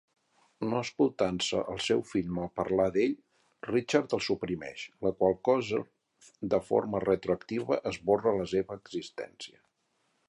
No escoltant-se el seu fill malparlar d'ell, Richard el suprimeix, la qual cosa de forma retroactiva esborra la seva existència.